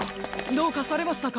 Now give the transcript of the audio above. どうかされましたか？